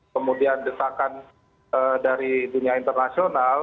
kemudian desakan dari dunia internasional